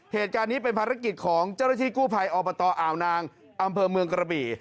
เหตุการณ์นี้เป็นภารกิจของเจ้าหน้าที่กู้ภัยอบตอ่าวนางอำเภอเมืองกระบี่